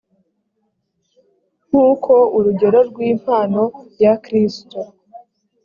nk uko urugero rw impano ya kristo